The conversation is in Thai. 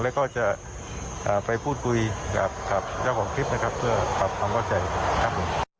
แล้วก็จะไปพูดคุยกับเจ้าของคลิปนะครับเพื่อปรับความเข้าใจครับผม